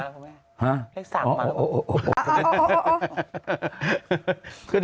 ท่านทำเป็นประจำทุกครับท่านทำเป็นประจำทุกครับท่านทำเป็นประจำทุกครับ